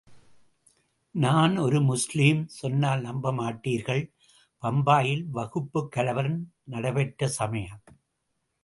நான் ஒரு முஸ்லிம் சொன்னால் நம்ப மாட்டீர்கள் பம்பாயில் வகுப்புக் கலவரம் நடைபெற்ற சமயம்.